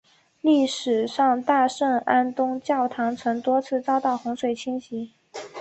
历史上大圣安东教堂曾多次遭到洪水侵袭。